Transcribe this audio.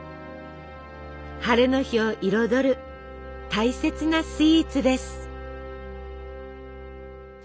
晴れの日を彩る大切なスイーツです。